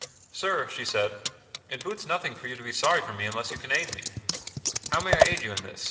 "Sir," she said, "it boots nothing for you to be sorry for me unless you can aid me." "How may I aid you in this?"